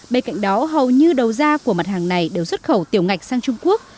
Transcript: bên cạnh đó hầu như đầu da của mặt hàng này đều xuất khẩu tiểu ngạch sang trung quốc